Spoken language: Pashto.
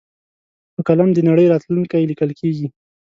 په قلم د نړۍ راتلونکی لیکل کېږي.